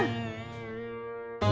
um udah mulai